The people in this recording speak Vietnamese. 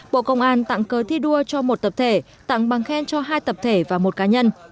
bộ công an tặng cớ thi đua cho một tập thể tặng bằng khen cho hai tập thể và một cá nhân